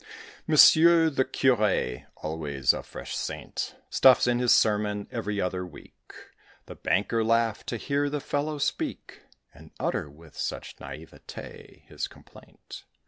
Monsieur the Curé always a fresh saint Stuffs in his sermon every other week." The Banker laughed to hear the fellow speak, And utter with such naïveté his complaint.